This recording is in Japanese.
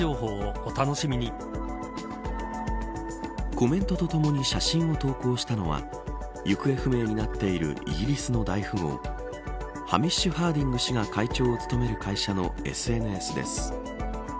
コメントと共に写真を投稿したのは行方不明になっているイギリスの大富豪ハミッシュ・ハーディング氏が会長を務める会社のＳＮＳです。